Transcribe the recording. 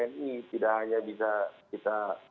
jadi tidak hanya bisa kita